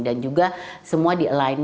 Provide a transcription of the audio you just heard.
dan juga semua di align